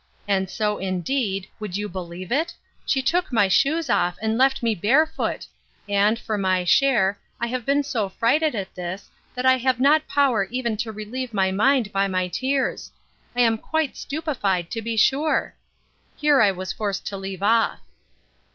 And so indeed (would you believe it?) she took my shoes off, and left me barefoot: and, for my share, I have been so frighted at this, that I have not power even to relieve my mind by my tears. I am quite stupefied to be sure!—Here I was forced to leave off.